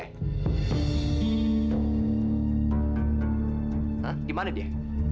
hah gimana dia